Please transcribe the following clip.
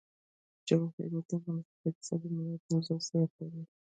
جواهرات د افغانستان د اقتصادي منابعو ارزښت زیاتوي.